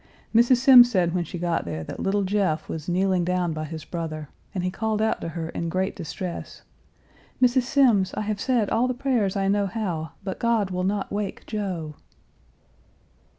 Mrs. Semmes said when she got there that little Jeff was kneeling down by his brother, and he called out to her in great distress: "Mrs. Semmes, I have said all the prayers I know how, but God will not wake Joe."